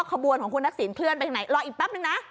ขบวนของคุณทักษิณเคลื่อนไปทางไหนรออีกแป๊บนึงนะ